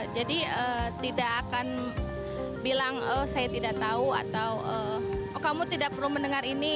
jadi tidak akan bilang saya tidak tahu atau kamu tidak perlu mendengar ini